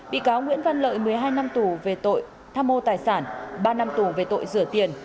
bị cáo nguyễn văn lợi một mươi hai năm tù về tội tham mô tài sản ba năm tù về tội rửa tiền